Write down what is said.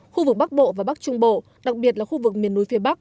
khu vực bắc bộ và bắc trung bộ đặc biệt là khu vực miền núi phía bắc